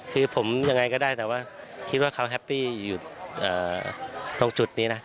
คือผมยังไงก็ได้แต่ว่าคิดว่าเขาแฮปปี้อยู่ตรงจุดนี้นะ